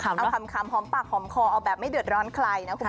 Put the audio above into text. เอาแบบไม่เดือดร้อนใคร